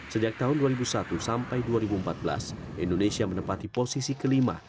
sejak tahun dua ribu satu sampai dua ribu empat belas indonesia menempati posisi kelima